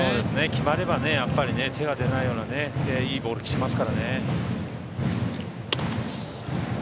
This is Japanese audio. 決まれば手が出ないようないいボールが来ています。